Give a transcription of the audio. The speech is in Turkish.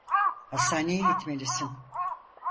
Hastaneye gitmelisin.